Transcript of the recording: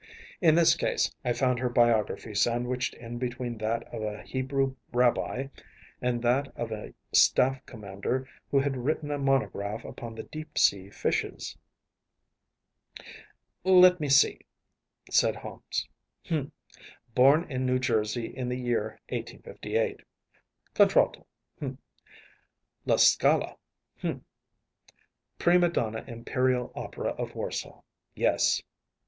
In this case I found her biography sandwiched in between that of a Hebrew rabbi and that of a staff commander who had written a monograph upon the deep sea fishes. “Let me see!‚ÄĚ said Holmes. “Hum! Born in New Jersey in the year 1858. Contralto‚ÄĒhum! La Scala, hum! Prima donna Imperial Opera of Warsaw‚ÄĒyes!